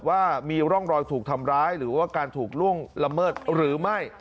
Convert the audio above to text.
ว่ามีร่องรอยถูกทำร้ายหรือว่าการถูกล่วงละเมิดหรือไม่